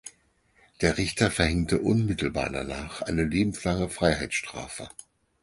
Der Richter verhängte unmittelbar danach eine lebenslange Freiheitsstrafe.